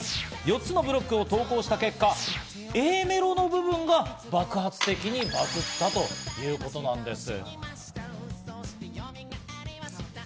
４つのブロックを投稿した結果、Ａメロの部分が爆発的にバズったということなんです。